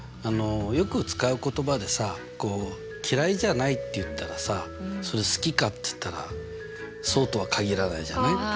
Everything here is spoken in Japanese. よく使う言葉でさ嫌いじゃないって言ったらさそれ好きかって言ったらそうとは限らないじゃない？